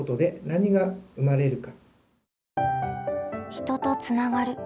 「人とつながる」。